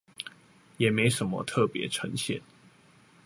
也沒什麼特別呈現